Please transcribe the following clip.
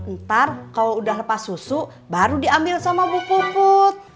ntar kalau udah lepas susu baru diambil sama bu put